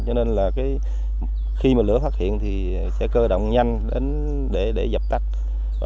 cho nên là khi mà lửa phát hiện thì sẽ cơ động nhanh để dập tách